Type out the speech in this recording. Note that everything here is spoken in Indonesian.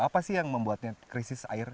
apa sih yang membuatnya krisis air